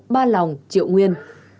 ba lòng triệu nguyên